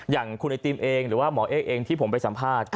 อย่างคุณไอติมเองหรือว่าหมอเอกเองที่ผมไปสัมภาษณ์